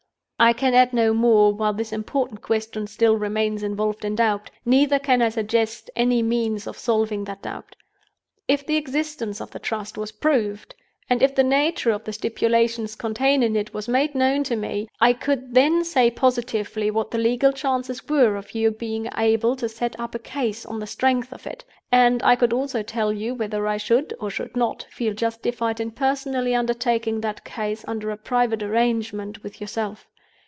"I can add no more, while this important question still remains involved in doubt; neither can I suggest any means of solving that doubt. If the existence of the Trust was proved, and if the nature of the stipulations contained in it was made known to me, I could then say positively what the legal chances were of your being able to set up a Case on the strength of it: and I could also tell you whether I should or should not feel justified in personally undertaking that Case under a private arrangement with yourself.